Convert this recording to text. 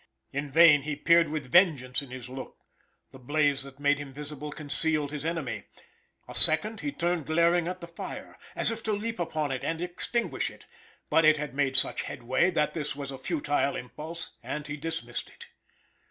In vain he peered with vengeance in his look; the blaze that made him visible concealed his enemy. A second he turned glaring at the fire, as if to leap upon it and extinguish it, but it had made such headway that this was a futile impulse and he dismissed it.